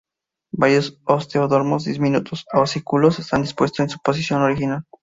Varios osteodermos y diminutos osículos están dispuestos en su posición original.